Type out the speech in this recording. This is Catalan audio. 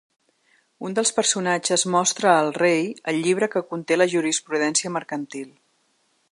Un dels personatges mostra al rei el llibre que conté la jurisprudència mercantil.